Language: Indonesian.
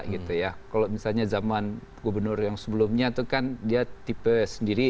kalau misalnya zaman gubernur yang sebelumnya itu kan dia tipe sendiri